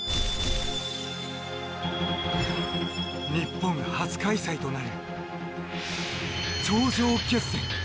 日本初開催となる頂上決戦。